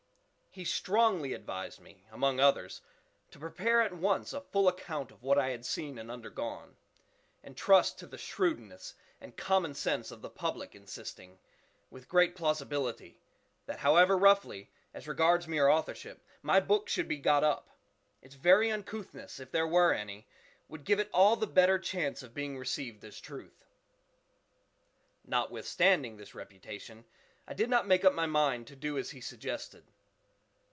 He strongly advised me, among others, to prepare at once a full account of what I had seen and undergone, and trust to the shrewdness and common sense of the public—insisting, with great plausibility, that however roughly, as regards mere authorship, my book should be got up, its very uncouthness, if there were any, would give it all the better chance of being received as truth. Notwithstanding this representation, I did not make up my mind to do as he suggested.